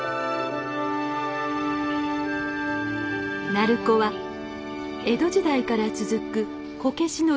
鳴子は江戸時代から続くこけしの一大産地。